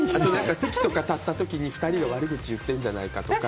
席とか立った時に２人は悪口言ってるんじゃないかとか。